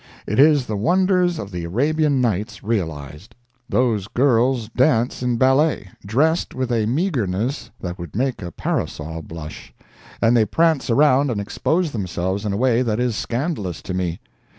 It is the wonders of the Arabian Nights realized. Those girls dance in ballet, dressed with a meagreness that would make a parasol blush. And they prance around and expose themselves in a way that is scandalous to me.